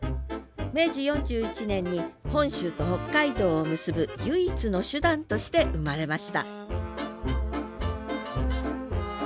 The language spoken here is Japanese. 明治４１年に本州と北海道を結ぶ唯一の手段として生まれました